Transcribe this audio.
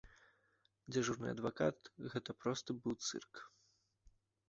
Дзяжурны адвакат гэта проста быў цырк.